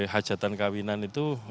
hajatan kawinan itu